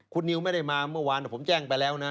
คุณนิวไม่ได้มาเมื่อวานผมแจ้งไปแล้วนะ